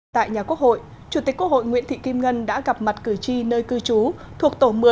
tại nhà quốc hội chủ tịch quốc hội nguyễn thị kim ngân đã gặp mặt cử tri nơi cư trú thuộc tổ một mươi